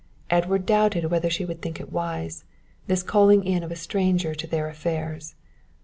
Edward doubted whether she would think it wise, this calling in of a stranger to their affairs.